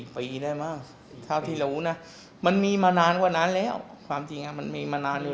ปีได้มั้งเท่าที่รู้นะมันมีมานานกว่านั้นแล้วความจริงมันมีมานานเลย